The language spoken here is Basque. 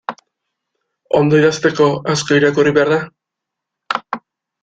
Ondo idazteko, asko irakurri behar da?